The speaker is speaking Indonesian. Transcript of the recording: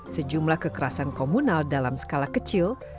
sejumlah kekerasan komunal dalam skala kecil